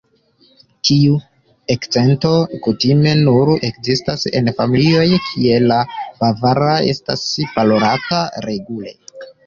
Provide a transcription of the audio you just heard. Tiu akĉento kutime nur ekzistas en familioj kie la bavara estas parolata regule.